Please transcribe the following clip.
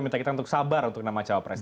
minta kita untuk sabar untuk nama cawapres